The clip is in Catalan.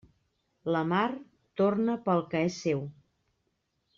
La mar torna pel que és seu.